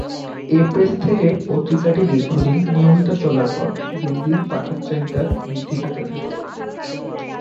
এ press থেকে পত্রিকাটি দীর্ঘদিন নিয়মিত চলার পর দিন দিন পাঠক চাহিদা বৃদ্ধি পেতে থাকে।